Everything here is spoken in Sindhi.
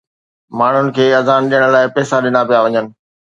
ماڻهن کي اذان ڏيڻ لاءِ پئسا ڏنا پيا وڃن.